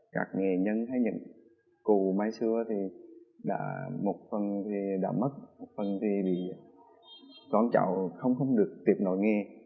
các nghề nhân thấy những cụ máy xưa thì một phần thì đã mất một phần thì bị tón trọng không được tiếp nổi nghe